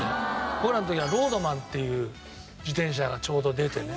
僕らの時はロードマンっていう自転車がちょうど出てね。